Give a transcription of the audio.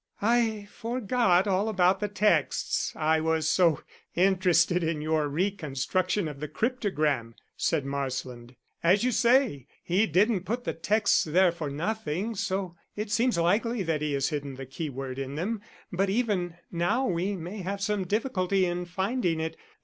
"I forgot all about the texts I was so interested in your reconstruction of the cryptogram," said Marsland. "As you say, he didn't put the texts there for nothing, so it seems likely that he has hidden the keyword in them. But even now we may have some difficulty in finding it.